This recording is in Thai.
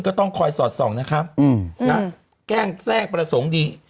ก็ต้องคอยสอดส่องนะครับแกล้งแทรกประสงค์ดี